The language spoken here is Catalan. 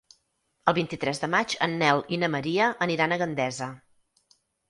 El vint-i-tres de maig en Nel i na Maria aniran a Gandesa.